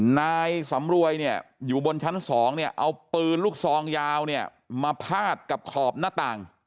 นายสำรวยเนี่ยอยู่บนชั้น๒เนี่ยเอาปืนลูกซองยาวเนี่ยมาพาดกับขอบหน้าต่าง